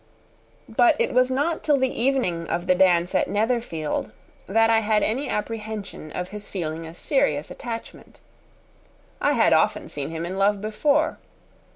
But it was not till the evening of the dance at Netherfield that I had any apprehension of his feeling a serious attachment. I had often seen him in love before.